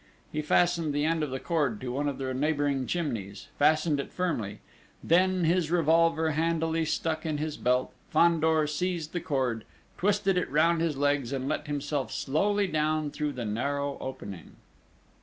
He fastened the end of the cord to one of the neighbouring chimneys fastened it firmly; then, his revolver handily stuck in his belt, Fandor seized the cord, twisted it round his legs, and let himself slowly down through the narrow opening.